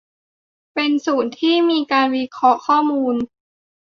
เป็นศูนย์ที่มีการวิเคราะห์ข้อมูล